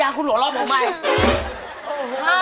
เอาละครับขอบคุณพี่แต้คุณแฟร์ค่ะ